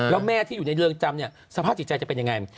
แล้วแม่ที่อยู่ในเรือนจำเนี่ยสภาพจิตใจจะเป็นยังไง